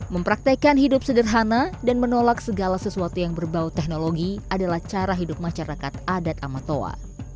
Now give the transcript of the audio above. mempraktekan hidup sederhana dan menolak segala sesuatu yang berbau teknologi adalah cara hidup masyarakat adat amatoa